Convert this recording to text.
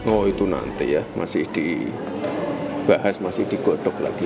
oh itu nanti ya masih dibahas masih digodok lagi